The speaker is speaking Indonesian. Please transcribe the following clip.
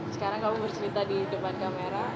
sekarang kamu bercerita di depan kamera